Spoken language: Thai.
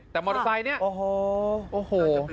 แต่มอเตอร์ไซต์นี่โอ้โห